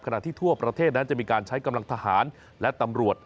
ขณะที่ทั่วประเทศนั้นจะมีการใช้กำลังทหารและตำรวจ